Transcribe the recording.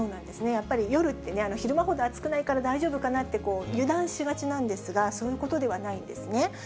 やっぱり夜ってね、昼間ほど暑くないから大丈夫かなって油断しがちなんですが、そういうことではないんですね。